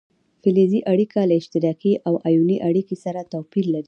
فلزي اړیکه له اشتراکي او ایوني اړیکې سره توپیر لري.